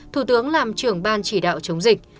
thủ tướng làm trưởng ban chỉ đạo chống dịch